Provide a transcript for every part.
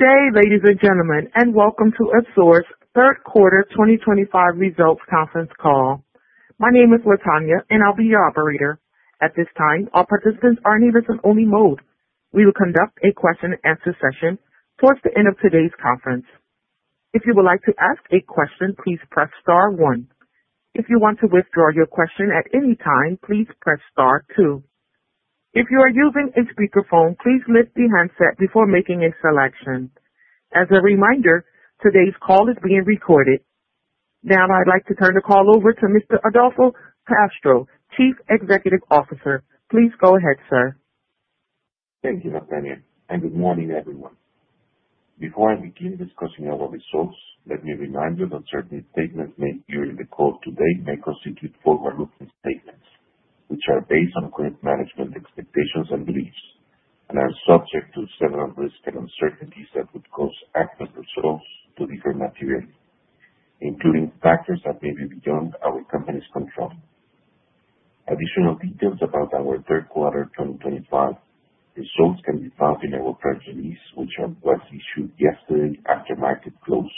Good day, ladies and gentlemen, and welcome to ASUR's third quarter 2025 results conference call. My name is Latonya, and I'll be your operator. At this time, all participants are in the listen-only mode. We will conduct a question-and-answer session towards the end of today's conference. If you would like to ask a question, please press star one. If you want to withdraw your question at any time, please press star two. If you are using a speakerphone, please lift the handset before making a selection. As a reminder, today's call is being recorded. Now, I'd like to turn the call over to Mr. Adolfo Castro, Chief Executive Officer. Please go ahead, sir. Thank you, Latonya, and good morning, everyone. Before I begin discussing our results, let me remind you that certain statements made during the call today may constitute forward-looking statements, which are based on current management expectations and beliefs, and are subject to several risks and uncertainties that would cause adverse results to differ materially, including factors that may be beyond our company's control. Additional details about our third quarter 2025 results can be found in our press release, which was issued yesterday after market close,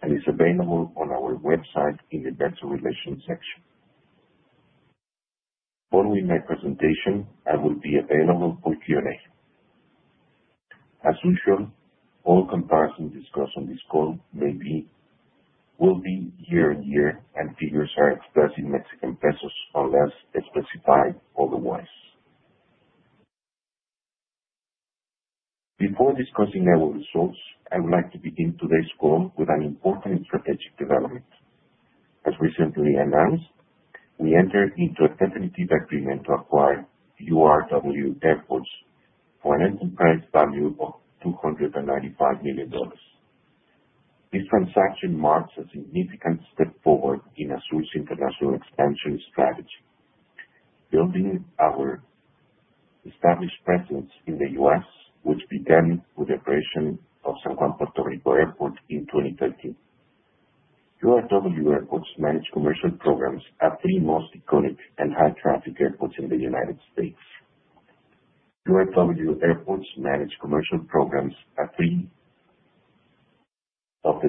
and is available on our website in the Investor Relations section. Following my presentation, I will be available for Q&A. As usual, all comparisons discussed on this call will be year-on-year, and figures are expressed in Mexican pesos unless specified otherwise. Before discussing our results, I would like to begin today's call with an important strategic development. As recently announced, we entered into a definitive agreement to acquire URW Airports for an enterprise value of $295 million. This transaction marks a significant step forward in ASUR's international expansion strategy, building our established presence in the U.S., which began with the operation of San Juan Puerto Rico Airport in 2013. URW Airports manages commercial programs at three most iconic and high-traffic airports in the United States. URW Airports manages commercial programs at three of the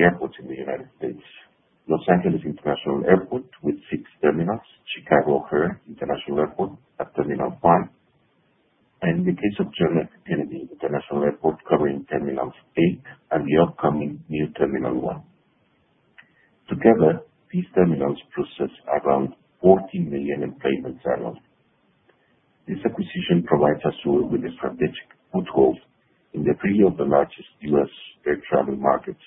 airports in the United States: Los Angeles International Airport, with six terminals, Chicago O'Hare International Airport at Terminal 1, and in the case of John F. Kennedy International Airport, covering Terminal 8 and the upcoming new Terminal 1. Together, these terminals process around 40 million enplanements. This acquisition provides ASUR with a strategic foothold in three of the largest U.S. air travel markets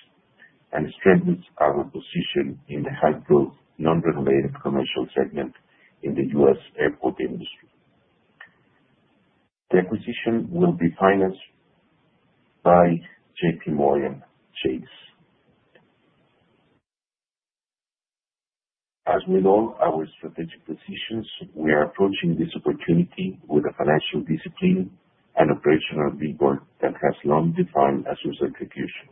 and strengthens our position in the high-growth, non-regulated commercial segment in the U.S. airport industry. The acquisition will be financed by JP Morgan Chase. As with all our strategic decisions, we are approaching this opportunity with a financial discipline and operational rigor that has long defined ASUR's execution.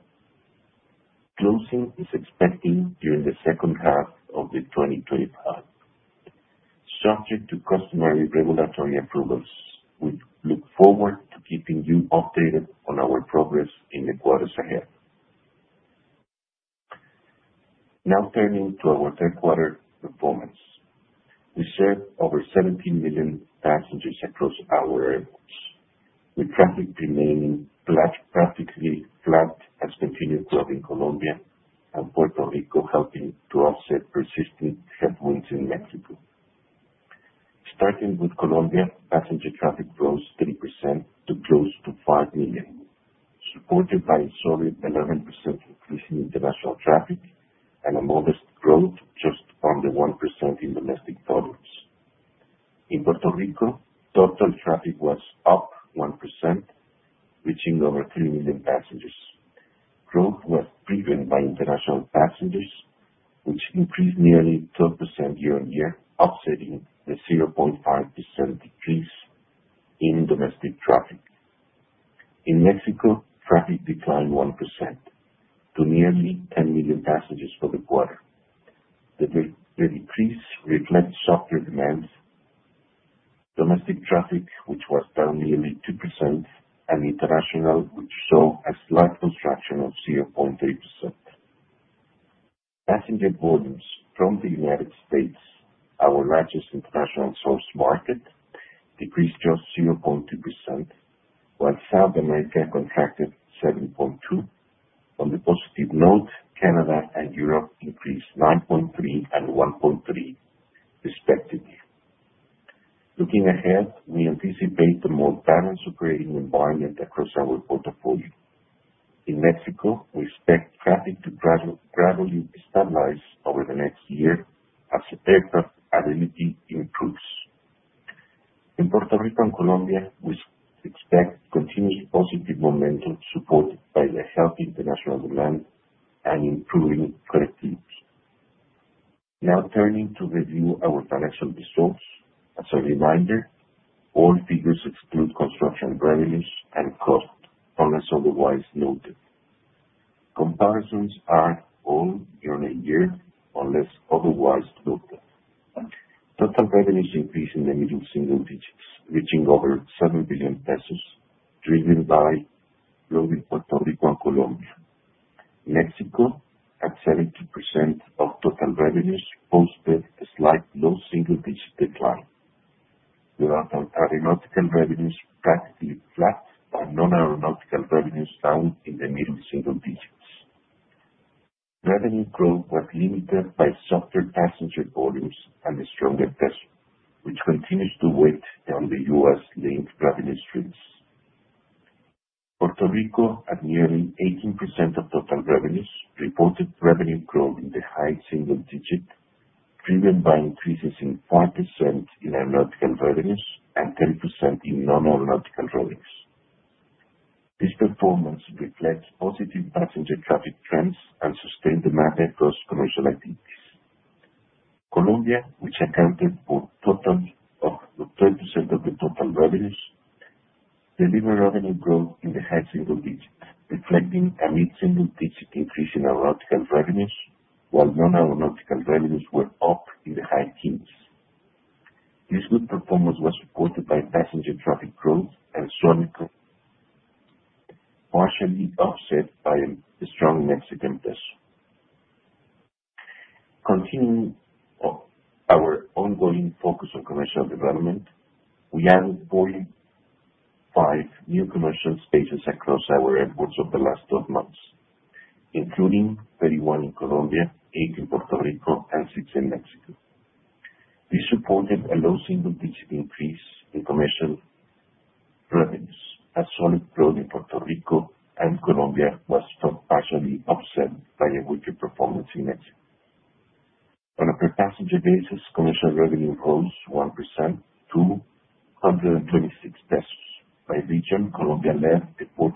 Closing is expected during the second half of 2025. Subject to customary regulatory approvals, we look forward to keeping you updated on our progress in the quarters ahead. Now, turning to our third quarter performance, we served over 17 million passengers across our airports, with traffic remaining practically flat as continued growth in Colombia and Puerto Rico, helping to offset persistent headwinds in Mexico. Starting with Colombia, passenger traffic rose 3% to close to five million, supported by a solid 11% increase in international traffic and a modest growth just under 1% in domestic volumes. In Puerto Rico, total traffic was up 1%, reaching over three million passengers. Growth was driven by international passengers, which increased nearly 12% year-on-year, offsetting the 0.5% decrease in domestic traffic. In Mexico, traffic declined 1% to nearly 10 million passengers for the quarter. The decrease reflects softer demands: domestic traffic, which was down nearly 2%, and international, which saw a slight contraction of 0.3%. Passenger volumes from the United States, our largest international source market, decreased just 0.2%, while South America contracted 7.2%. On the positive note, Canada and Europe increased 9.3% and 1.3%, respectively. Looking ahead, we anticipate a more balanced operating environment across our portfolio. In Mexico, we expect traffic to gradually stabilize over the next year as aircraft availability improves. In Puerto Rico and Colombia, we expect continued positive momentum, supported by the healthy international demand and improving currencies. Now, turning to review our financial results, as a reminder, all figures exclude construction revenues and cost, unless otherwise noted. Comparisons are all year-on-year, unless otherwise noted. Total revenues increased in the middle single digits, reaching over 7 billion pesos, driven by growth in Puerto Rico and Colombia. Mexico, at 70% of total revenues, posted a slight low single-digit decline. Their aeronautical revenues practically flat and non-aeronautical revenues down in the middle single digits. Revenue growth was limited by softer passenger volumes and a stronger peso, which continues to weigh on the U.S.-linked revenue streams. Puerto Rico, at nearly 18% of total revenues, reported revenue growth in the high single digit, driven by increases in 5% in aeronautical revenues and 10% in non-aeronautical revenues. This performance reflects positive passenger traffic trends and sustained demand across commercial activities. Colombia, which accounted for 12% of the total revenues, delivered revenue growth in the high single digit, reflecting a mid-single-digit increase in aeronautical revenues, while non-aeronautical revenues were up in the high teens. This good performance was supported by passenger traffic growth and partially offset by the strong Mexican peso. Continuing our ongoing focus on commercial development, we added 45 new commercial spaces across our airports over the last 12 months, including 31 in Colombia, eight in Puerto Rico, and six in Mexico. This supported a low single-digit increase in commercial revenues. A solid growth in Puerto Rico and Colombia was partially offset by a weaker performance in Mexico. On a per-passenger basis, commercial revenue rose 1% to 126 pesos. By region, Colombia led a 14%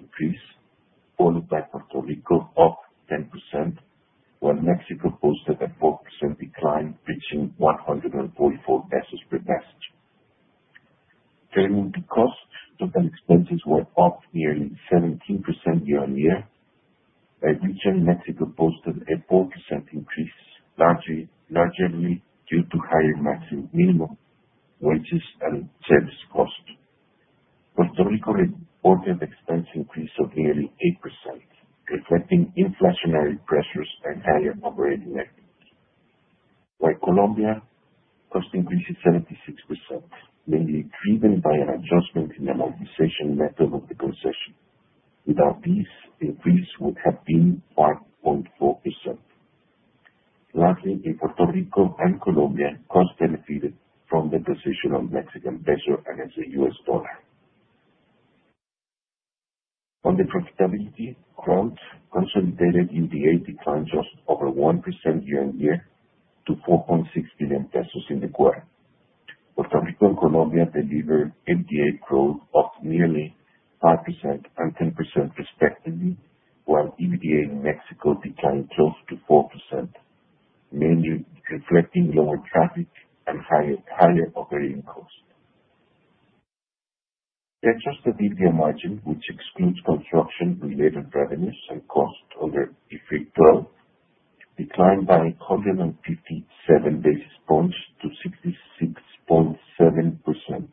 increase, followed by Puerto Rico up 10%, while Mexico posted a 4% decline, reaching 144 pesos per passenger. Turning to costs, total expenses were up nearly 17% year-on-year. By region, Mexico posted a 4% increase, largely due to higher maximum minimum wages and service cost. Puerto Rico reported expense increase of nearly 8%, reflecting inflationary pressures and higher operating revenues. While Colombia, cost increase is 76%, mainly driven by an adjustment in the amortization method of the concession. Without these, the increase would have been 5.4%. Lastly, in Puerto Rico and Colombia, cost benefited from the position of Mexican peso against the U.S. dollar. On the profitability, growth consolidated in the EBITDA line just over 1% year-on-year to MXN 4.6 billion in the quarter. Puerto Rico and Colombia delivered EBITDA growth of nearly 5% and 10%, respectively, while EBITDA in Mexico declined just to 4%, mainly reflecting lower traffic and higher operating cost. The adjusted EBITDA margin, which excludes construction-related revenues and cost under IFRIC 12, declined by 157 bps to 66.7%.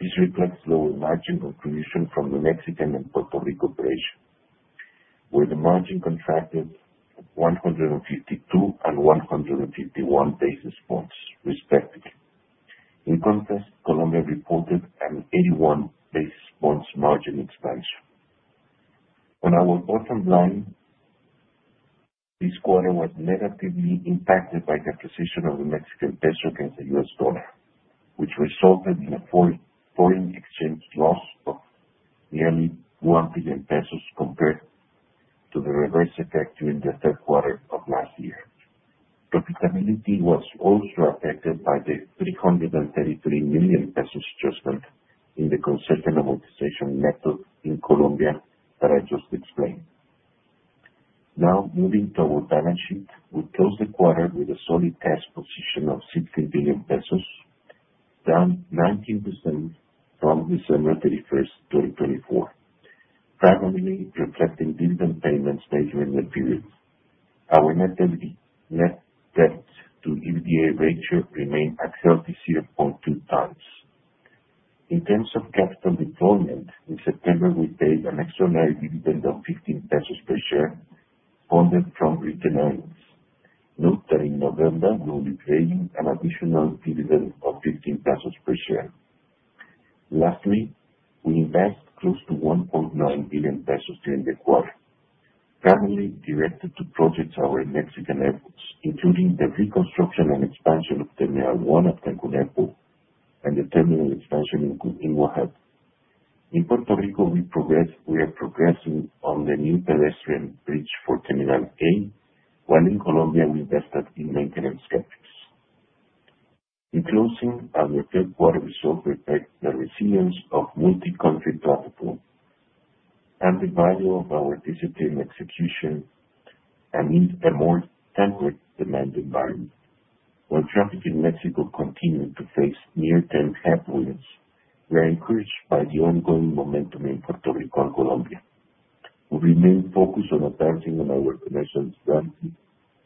This reflects lower margin contribution from the Mexican and Puerto Rico operation, where the margin contracted 152 and 151 bps, respectively. In contrast, Colombia reported an 81 bps margin expansion. On our bottom line, this quarter was negatively impacted by the position of the Mexican peso against the U.S. dollar, which resulted in a foreign exchange loss of nearly 1 billion pesos compared to the reverse effect during the third quarter of last year. Profitability was also affected by the 333 million pesos adjustment in the concessional amortization method in Colombia that I just explained. Now, moving to our balance sheet, we closed the quarter with a solid cash position of 16 billion pesos, down 19% from December 31st, 2024, primarily reflecting dividend payments made during the period. Our net debt to EBITDA ratio remained at healthy 0.2 times. In terms of capital deployment, in September, we paid an extraordinary dividend of 15 pesos per share funded from retained earnings. Note that in November, we will be paying an additional dividend of 15 pesos per share. Lastly, we invest close to 1.9 billion pesos during the quarter, primarily directed to projects around Mexican airports, including the reconstruction and expansion of Terminal 1 at Cancún Airport and the terminal expansion in Guadalajara. In Puerto Rico, we are progressing on the new pedestrian bridge for Terminal A, while in Colombia, we invested in maintenance CapEx. In closing, our third quarter results reflect the resilience of multi-country platform and the value of our disciplined execution amid a more tempered demand environment. While traffic in Mexico continued to face near-term headwinds, we are encouraged by the ongoing momentum in Puerto Rico and Colombia. We remain focused on advancing our commercial strategy,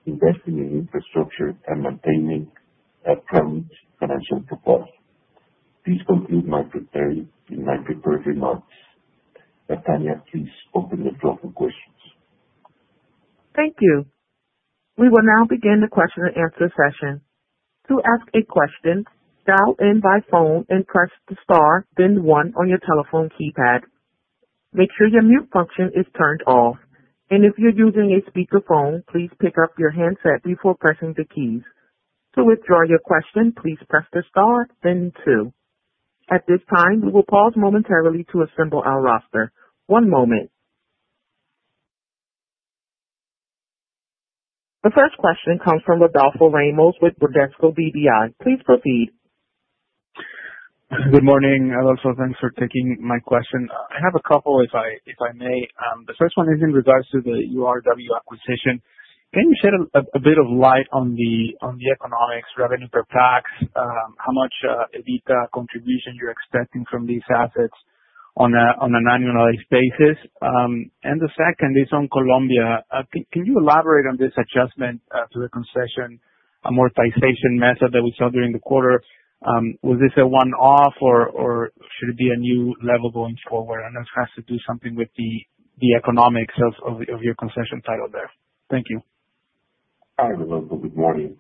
investing in infrastructure, and maintaining a prudent financial profile. This concludes my prepared remarks. Latonya, please open the floor for questions. Thank you. We will now begin the question-and-answer session. To ask a question, dial in by phone and press the star, then one on your telephone keypad. Make sure your mute function is turned off, and if you're using a speakerphone, please pick up your handset before pressing the keys. To withdraw your question, please press the star, then two. At this time, we will pause momentarily to assemble our roster. One moment. The first question comes from Rodolfo Ramos with Bradesco BBI. Please proceed. Good morning. And also, thanks for taking my question. I have a couple, if I may. The first one is in regards to the URW acquisition. Can you shed a bit of light on the economics, revenue per pax, how much EBITDA contribution you're expecting from these assets on an annualized basis? And the second is on Colombia. Can you elaborate on this adjustment to the concession amortization method that we saw during the quarter? Was this a one-off, or should it be a new level going forward? And this has to do something with the economics of your concession title there. Thank you. Hi, Rodolfo. Good morning.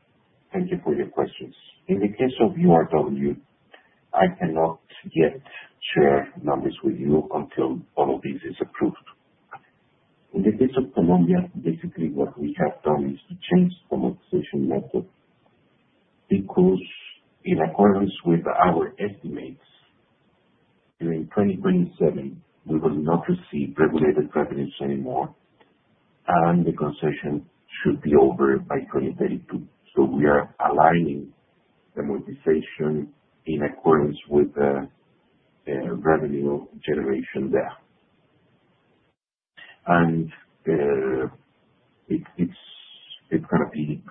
Thank you for your questions. In the case of URW, I cannot yet share numbers with you until all of this is approved. In the case of Colombia, basically, what we have done is to change the amortization method because, in accordance with our estimates, during 2027, we will not receive regulated revenues anymore, and the concession should be over by 2032. So we are aligning the amortization in accordance with the revenue generation there. And it's going to be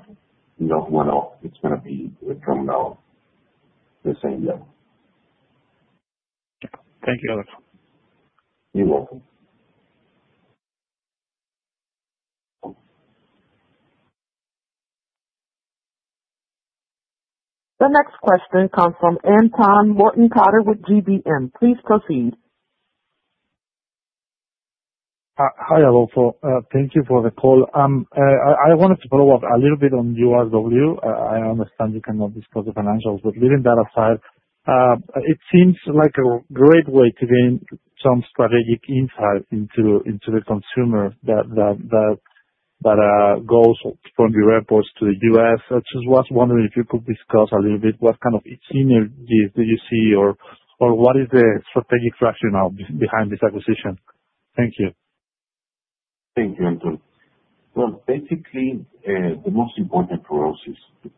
not one-off. It's going to be from now on the same level. Thank you, Adolfo. You're welcome. The next question comes from Anton Mortenkotter with GBM. Please proceed. Hi, Adolfo. Thank you for the call. I wanted to follow up a little bit on URW. I understand you cannot discuss the financials, but leaving that aside, it seems like a great way to gain some strategic insight into the consumer that goes from your airports to the U.S. I just was wondering if you could discuss a little bit what kind of synergies do you see, or what is the strategic rationale behind this acquisition. Thank you. Thank you, Anton. Well, basically, the most important for us is to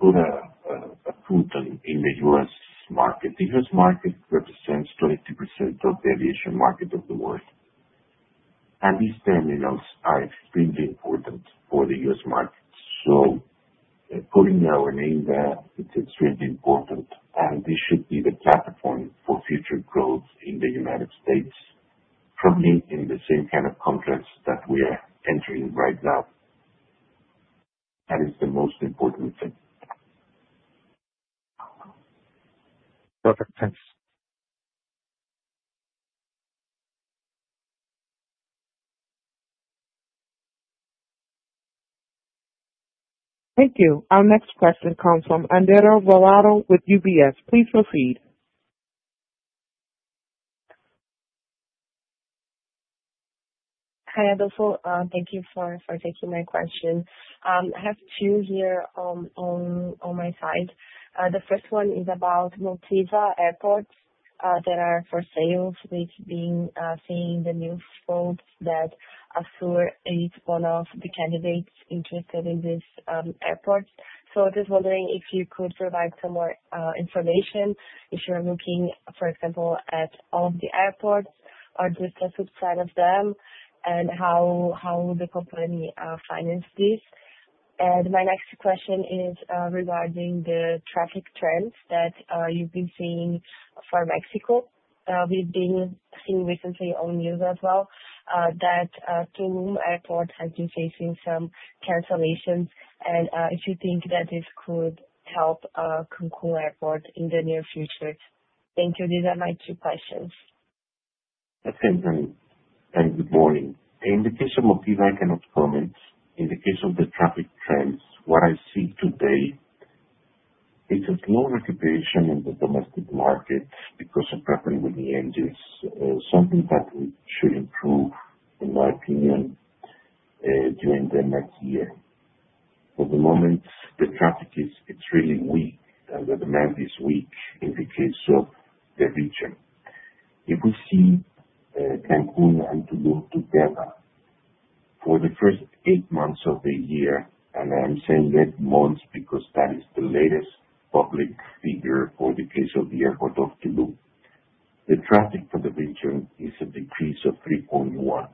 put a foot in the U.S. market. The U.S. market represents 20% of the aviation market of the world. And these terminals are extremely important for the U.S. market. So putting our name there, it's extremely important. And this should be the platform for future growth in the United States, probably in the same kind of contracts that we are entering right now. That is the most important thing. Perfect. Thanks. Thank you. Our next question comes from Andres Volado with UBS. Please proceed. Hi, Adolfo. Thank you for taking my question. I have two here on my side. The first one is about multiple airports that are for sale, which we've been seeing the news quote that ASUR is one of the candidates interested in these airports. So I was just wondering if you could provide some more information if you're looking, for example, at all of the airports or just a few say of them and how th In the case of Multiva, I cannot comment. In the case of the traffic trends, what I see today is a slow recuperation in the domestic market because of the revenue in the engines, something that should improve, in my opinion, during the next year. For the moment, the traffic is extremely weak, and the demand is weak in the case of the region. If we see Cancún and Tulum together for the first eight months of the year, and I am saying eight months because that is the latest public figure for the case of the airport of Tulum, the traffic for the region is a decrease of 3.1%.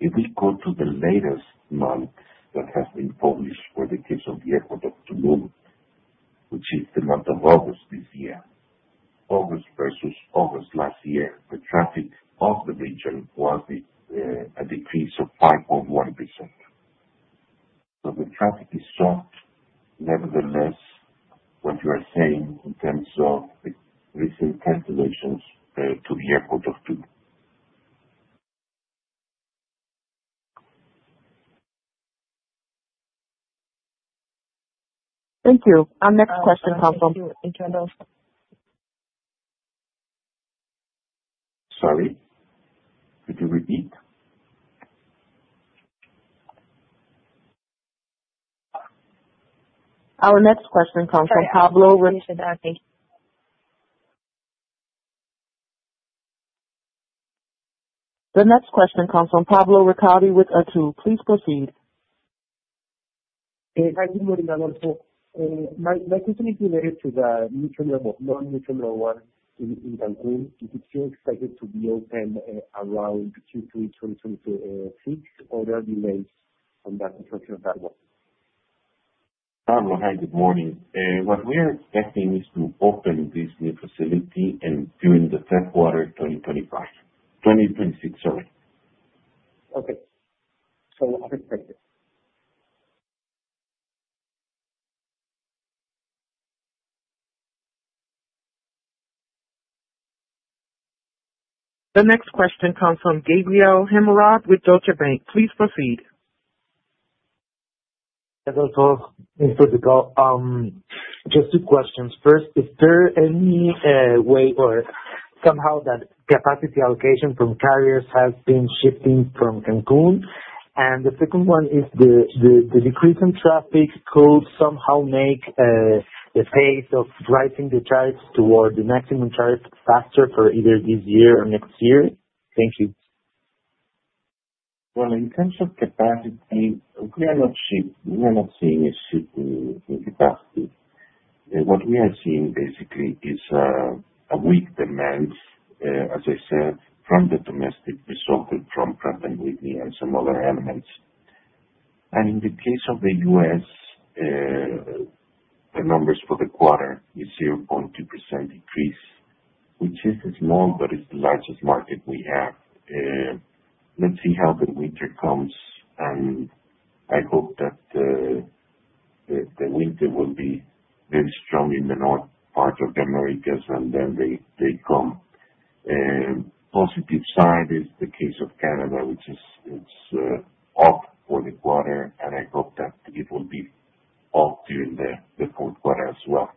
If we go to the latest month that has been published for the case of the airport of Tulum, which is the month of August this year, August versus August last year, the traffic of the region was a decrease of 5.1%, so the traffic is soft. Nevertheless, what you are saying in terms of the recent cancellations to the airport of Tulum. Thank you. Our next question comes from. Sorry? Could you repeat? Our next question comes from Pablo Ricalde. The next question comes from Pablo Ricalde with Itaú. Please proceed. Hi, good morning, Adolfo. My question is related to the new terminal, the non-new terminal one in Cancún. Is it still expected to be open around Q3 2026, or there are delays on that in terms of that one? Pablo, hi, good morning. What we are expecting is to open this new facility during the third quarter 2025, 2026, sorry. Okay. So I'll expect it. The next question comes from Gabriel Himelfarb with Deutsche Bank. Please proceed. Adolfo, just two questions. First, is there any way or somehow that capacity allocation from carriers has been shifting from Cancún? And the second one is, the decrease in traffic could somehow make the pace of driving the tariffs toward the maximum tariff faster for either this year or next year? Thank you. Well, in terms of capacity, we are not seeing a shift in capacity. What we are seeing, basically, is a weak demand, as I said, from the domestic resulting from revenue and some other elements. And in the case of the U.S., the numbers for the quarter is 0.2% decrease, which is small, but it's the largest market we have. Let's see how the winter comes, and I hope that the winter will be very strong in the north part of the Americas, and then they come. Positive side is the case of Canada, which is up for the quarter, and I hope that it will be up during the fourth quarter as well.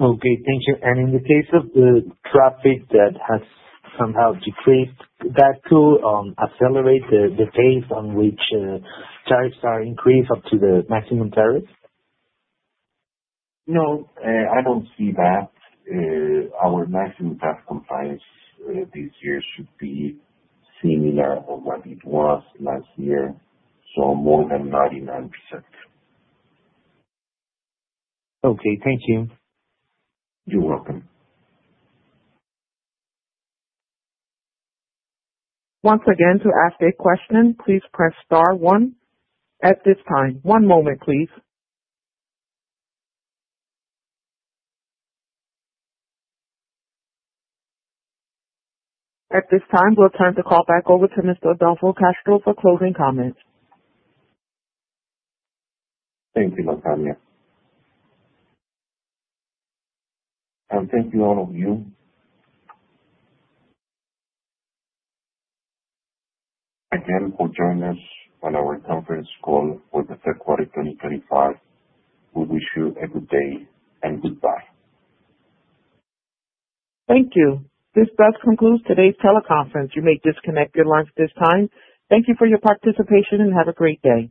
Okay. Thank you. And in the case of the traffic that has somehow decreased, that could accelerate the pace on which tariffs are increased up to the maximum tariff? No, I don't see that. Our maximum tariff compliance this year should be similar to what it was last year, so more than 99%. Okay. Thank you. You're welcome. Once again, to ask a question, please press star one. At this time, one moment, please. At this time, we'll turn the call back over to Mr. Adolfo Castro for closing comments. Thank you, Latonya. And thank you, all of you. Again, for joining us on our conference call for the third quarter 2025. We wish you a good day and goodbye. Thank you. This does conclude today's teleconference. You may disconnect your lines at this time. Thank you for your participation and have a great day.